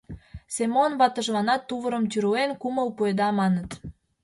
Семон ватыжланат тувырым тӱрлен, кумыл пуэда, маныт.